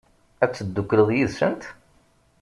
Ad teddukleḍ yid-sent?